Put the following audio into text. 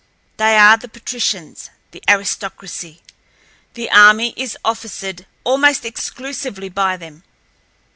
They are the patricians—the aristocracy. The army is officered almost exclusively by them.